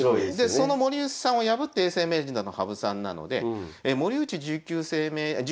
その森内さんを破って永世名人になるの羽生さんなので森内十八世名人で羽生十九世名人なんですね。